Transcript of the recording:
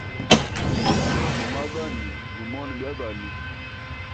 Lamba magani gumone byagali.